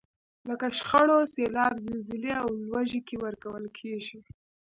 لکه شخړو، سیلاب، زلزلې او ولږې کې ورکول کیږي.